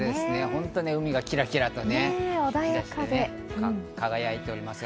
本当に海がキラキラとね、輝いております。